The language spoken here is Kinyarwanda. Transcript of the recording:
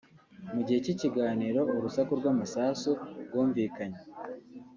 Mu gihe cy’ikiganiro urusaku rw’amasasu rwumvikanye